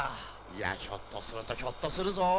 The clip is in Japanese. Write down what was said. いやひょっとするとひょっとするぞ。